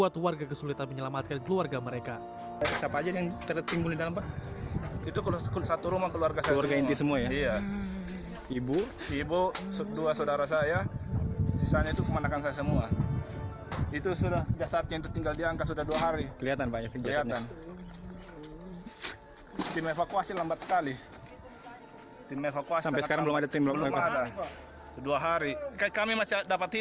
tak ada lagi yang tersisa